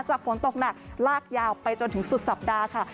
ฝนตกหนักลากยาวไปจนถึงสุดสัปดาห์ค่ะ